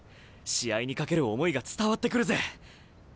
試合に懸ける思いが伝わってくるぜ！